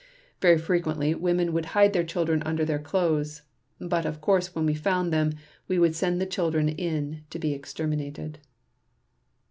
Very frequently women would hide their children under their clothes, but of course when we found them we would send the children in to be exterminated."